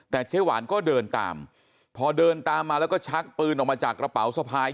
แต่เจ๊หวานก็เดินตามพอเดินตามมาแล้วก็ชักปืนออกมาจากกระเป๋าสะพาย